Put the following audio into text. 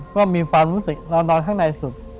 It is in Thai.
ก็มีความรู้สึกเรานอนข้างในสุด